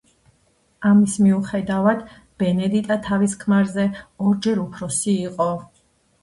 ამის მიუხედავად, ბენედიტა თავის ქმარზე ორჯერ უფროსი იყო.